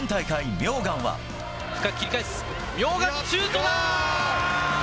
名願シュートだ。